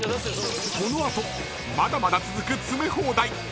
この後、まだまだ続く詰め放題